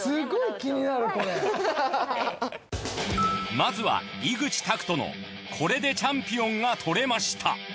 まずは井口卓人のこれでチャンピオンが取れました